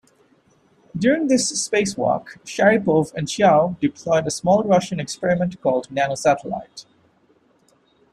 During this spacewalk, Sharipov and Chiao deployed a small Russian experiment called Nanosatellite.